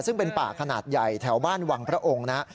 ซึ่งเป็นป่าขนาดใหญ่แถวบ้านวังพระองค์นะฮะ